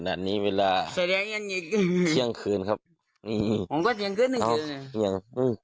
เที่ยงคืนครับโอ้โห